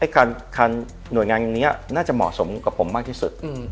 การหน่วยงานนี้น่าจะเหมาะสมกับผมมากที่สุด